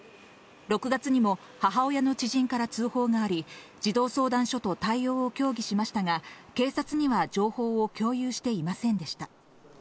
６月にも母親の知人から通報があり、児童相談所と対応を協議しましたが、警察には情報を共有していませんでした。